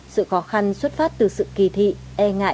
sự khó khăn xuất phát từ sự kỳ thị e ngại